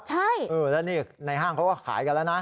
ใช่แล้วนี่ในห้างเขาก็ขายกันแล้วนะ